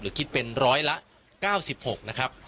คิดเป็นร้อยละ๙๖นะครับ